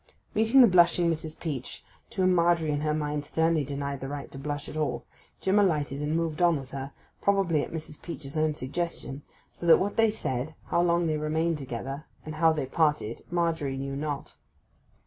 Meeting the blushing Mrs. Peach (to whom Margery in her mind sternly denied the right to blush at all), Jim alighted and moved on with her, probably at Mrs. Peach's own suggestion; so that what they said, how long they remained together, and how they parted, Margery knew not.